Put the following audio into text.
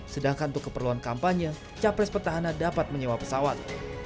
sedangkan untuk keperluan kampanye capres petahana dapat menyewa pesawat